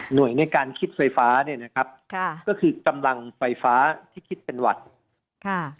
โดยในการคิดไฟฟ้าเนี่ยนะครับค่ะก็คือกำลังไฟฟ้าที่คิดเป็นหวัดค่ะ